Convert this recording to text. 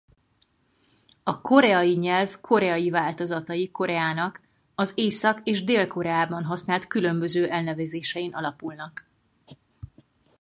A koreai nyelv koreai változatai Koreának az Észak- és Dél-Koreában használt különböző elnevezésein alapulnak.